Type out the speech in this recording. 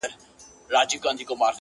زما څه عبادت په عادت واوښتی.